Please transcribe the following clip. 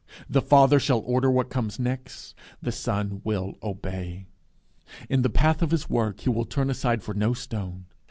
The Father shall order what comes next. The Son will obey. In the path of his work he will turn aside for no stone.